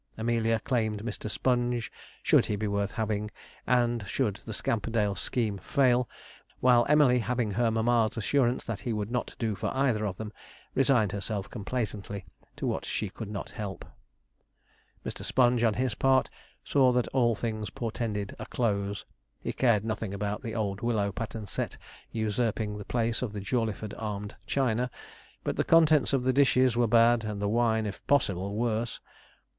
Amelia claimed Mr. Sponge, should he be worth having, and should the Scamperdale scheme fail; while Emily, having her mamma's assurance that he would not do for either of them, resigned herself complacently to what she could not help. [Illustration: MR. SPONGE DEMANDING AN EXPLANATION] Mr. Sponge, on his part, saw that all things portended a close. He cared nothing about the old willow pattern set usurping the place of the Jawleyford armed china; but the contents of the dishes were bad, and the wine, if possible, worse.